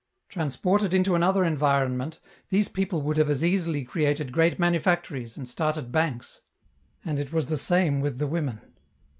Transported into another environment these people would have as easily created great manufactories and started banks. And it was the same with the women.